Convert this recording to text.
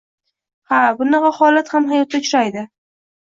Ha, bunaqa holat ham hayotda uchraydi.